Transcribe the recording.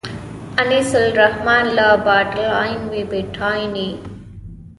انیس الرحمن له باډرلاین وېبپاڼې.